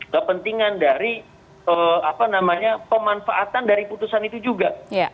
kepentingan dari pemanfaatan dari putusan itu juga